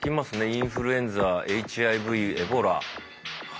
インフルエンザ・ＨＩＶ・エボラはい。